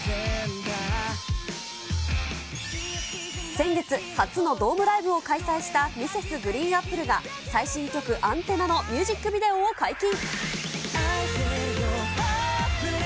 先月、初のドームライブを開催したＭｒｓ．ＧＲＥＥＮＡＰＰＬＥが最新曲、アンテナのミュージックビデオを解禁。